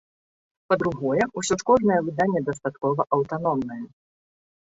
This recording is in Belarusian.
Па-другое, усё ж кожнае выданне дастаткова аўтаномнае.